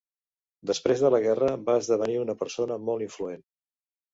Després de la guerra va esdevenir una persona molt influent.